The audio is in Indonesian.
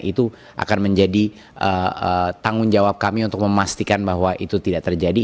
itu akan menjadi tanggung jawab kami untuk memastikan bahwa itu tidak terjadi